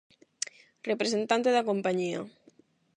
Representante da compañía.